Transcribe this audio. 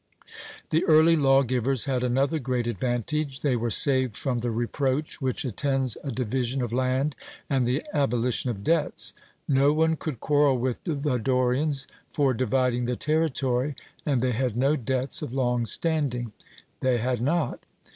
The early lawgivers had another great advantage they were saved from the reproach which attends a division of land and the abolition of debts. No one could quarrel with the Dorians for dividing the territory, and they had no debts of long standing. 'They had not.'